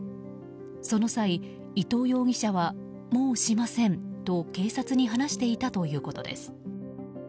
その際、伊藤容疑者はもうしませんと警察に話していたということです。